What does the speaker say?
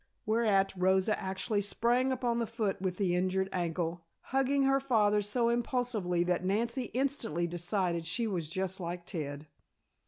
Whereat Rosa actually sprang upon the foot with the injured ankle, hugging her father so impulsively that Nancy instantly decided she was just like Ted.